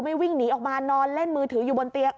วิ่งหนีออกมานอนเล่นมือถืออยู่บนเตียง